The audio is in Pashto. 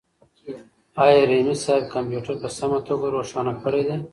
آیا رحیمي صیب کمپیوټر په سمه توګه روښانه کړی دی؟